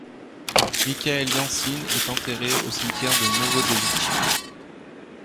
Mikhaïl Yanchine est enterré au cimetière de Novodevitchi.